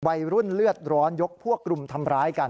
วัยรุ่นเลือดร้อนยกพวกกลุ่มทำร้ายกัน